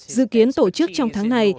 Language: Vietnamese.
dự kiến tổ chức trong tháng này